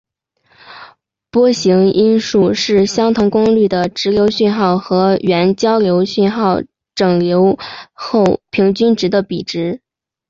波形因数是相同功率的直流讯号和原交流讯号整流后平均值的比值。